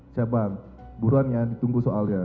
siap bang buruan ya ditunggu soalnya